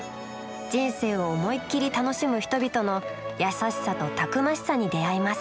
人生を思いっきり楽しむ人々の、優しさとたくましさに出会います。